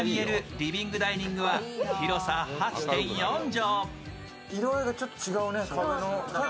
リビングダイニングは広さ８．４畳。